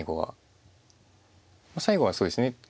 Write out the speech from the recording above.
最後はそうですね。